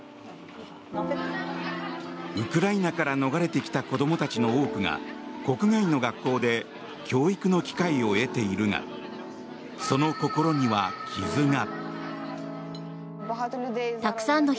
ウクライナから逃れてきた子供たちの多くが国外の学校で教育の機会を得ているがその心には傷が。